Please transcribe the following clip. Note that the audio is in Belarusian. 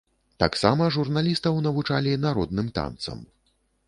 Таксама журналістаў навучалі народным танцам.